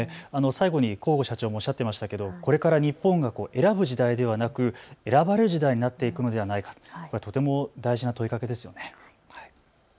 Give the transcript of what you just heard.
最後に向後社長もおっしゃっていましたけれどこれから日本が選ぶ時代ではなく選ばれる時代になっていくのではないかと、とても大事な問いかけですよね。